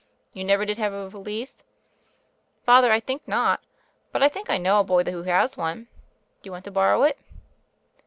"You never did have a valise?" "Father, I think not. But I think I know a boy who has one. Do you want to borrow it?"